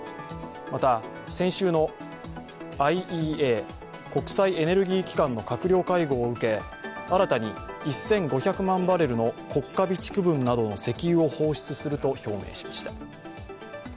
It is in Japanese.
また、先週のＩＥＡ＝国際エネルギー機関の閣僚会合を受け、新たに１５００万バレルの国家備蓄分などの石油を放出すると表明しました。